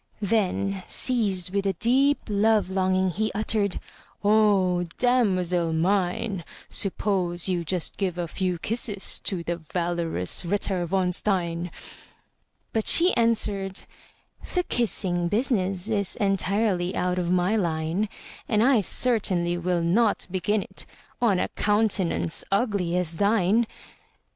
Then, seized with a deep love longing, He uttered, "O damosel mine, Suppose you just give a few kisses To the valorous Ritter von Stein!" But she answered, "The kissing business Is entirely out of my line; And I certainly will not begin it On a countenance ugly as thine!"